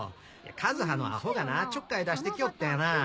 和葉のアホがなちょっかい出して来よってやな。